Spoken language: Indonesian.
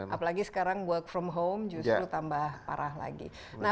apalagi sekarang work from home justru tambah parah lagi